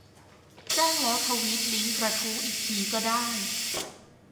แจ้งแล้วทวีตลิงก์กระทู้อีกทีก็ได้